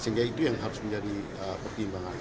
sehingga itu yang harus menjadi pertimbangan